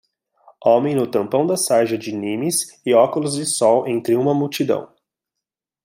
Homem no tampão da sarja de Nimes e óculos de sol entre uma multidão.